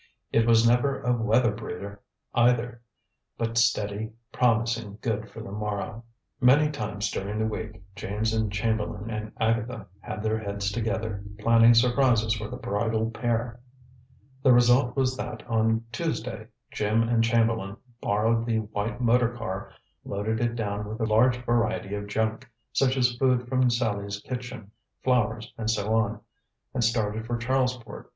It was never a "weather breeder" either; but steady, promising good for the morrow. Many times during the week James and Chamberlain and Agatha had their heads together, planning surprises for the bridal pair. The result was that on Tuesday Jim and Chamberlain borrowed the white motor car, loaded it down with a large variety of junk, such as food from Sallie's kitchen, flowers and so on, and started for Charlesport.